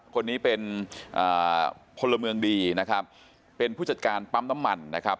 คนนี้เป็นอ่าพลเมืองดีนะครับเป็นผู้จัดการปั๊มน้ำมันนะครับ